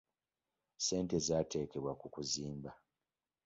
Ssente zaateekebwa ku kuzimba.